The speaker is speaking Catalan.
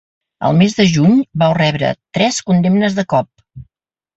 El mes de juny vau rebre tres condemnes de cop.